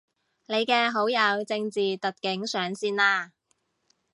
你嘅好友正字特警上線喇